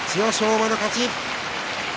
馬の勝ち。